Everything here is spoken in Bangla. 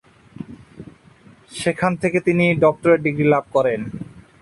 সেখান থেকে তিনি ডক্টরেট ডিগ্রী লাভ করেন।